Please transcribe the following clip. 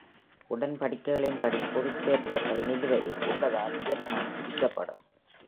உடன்படிக்கைகளின்படி, பொதுத் தேர்தல்கள் நிலுவையில் உள்ளதால் வியட்நாம் பிரிக்கப்படும்.